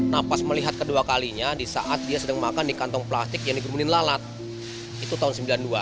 nah pas melihat kedua kalinya di saat dia sedang makan di kantong plastik yang digemunin lalat itu tahun sembilan puluh dua